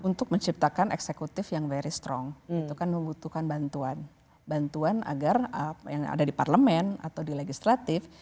untuk menciptakan eksekutif yang very strong itu kan membutuhkan bantuan agar yang ada di parlemen atau di legislatif